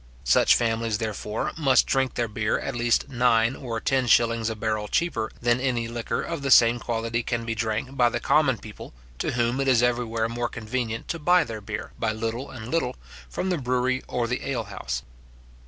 Such families, therefore, must drink their beer at least nine or ten shillings a barrel cheaper than any liquor of the same quality can be drank by the common people, to whom it is everywhere more convenient to buy their beer, by little and little, from the brewery or the ale house.